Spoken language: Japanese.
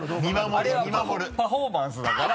あれはパフォーマンスだから。